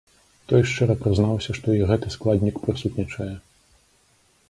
Той шчыра прызнаўся, што і гэты складнік прысутнічае.